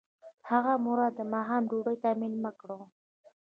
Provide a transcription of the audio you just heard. هغه مراد د ماښام ډوډۍ ته مېلمه کړ.